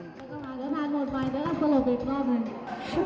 อยู่ต้นน้ำเบิดละพอเวลาไปเข้ามัน